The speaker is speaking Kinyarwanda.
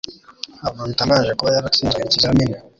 Ntabwo bitangaje kuba yaratsinzwe ikizamini